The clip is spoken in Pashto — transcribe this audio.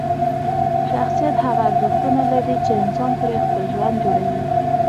شخصیت هغه ارزښتونه لري چې انسان پرې خپل ژوند جوړوي.